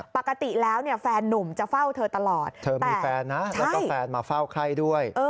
ปกติแล้วเนี่ยแฟนนุ่มจะเฝ้าเธอตลอดเธอมีแฟนนะแล้วก็แฟนมาเฝ้าไข้ด้วย